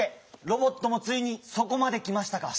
ロボットもついにそこまできましたか！